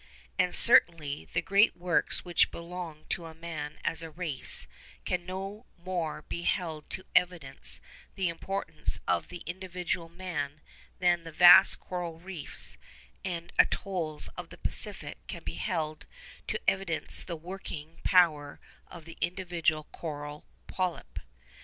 And certainly, the great works which belong to man as a race can no more be held to evidence the importance of the individual man than the vast coral reefs and atolls of the Pacific can be held to evidence the working power of the individual coral polype.